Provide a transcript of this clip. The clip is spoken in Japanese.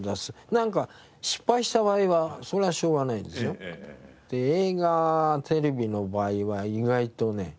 なんか失敗した場合はそりゃしょうがないですよ。映画テレビの場合は意外とね